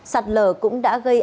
sạt lở cũng đã gây